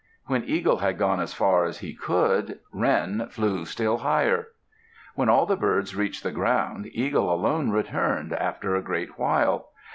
When Eagle had gone as far as he could, Wren flew still higher. When all the birds reached the ground, Eagle alone returned, after a great while.